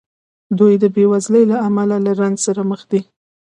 دوی د بېوزلۍ له امله له رنځ سره مخ دي.